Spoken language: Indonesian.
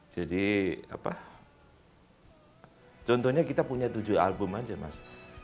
jadi contohnya kita punya tujuh album saja mas